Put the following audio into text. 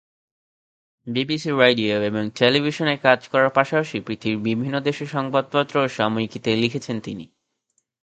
BBC radio এবং টেলিভিশনে কাজ করার পাশাপাশি পৃথিবীর বিভিন্ন দেশের সংবাদপত্র ও সাময়িকীতে লিখেছেন তিনি।